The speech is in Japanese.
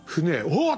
「おっ！」